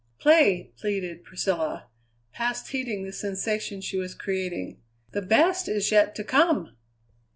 "Play!" pleaded Priscilla, past heeding the sensation she was creating. "The best is yet to come!"